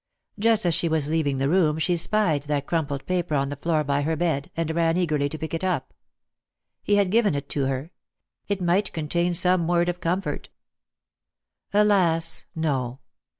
Just as she was leaving the room, she spied that crumpled paper on the floor by her bed, and ran eagerly to pick it up. He had given it to her. It might contain some word of comfort. Alas, no.